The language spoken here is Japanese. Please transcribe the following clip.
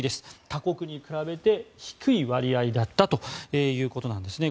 他国に比べて低い割合だったということなんですね。